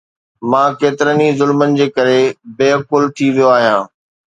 مان ڪيترن ئي ظلمن جي ڪري بي عقل ٿي ويو آهيان